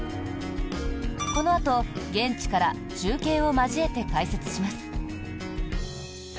このあと現地から中継を交えて解説します。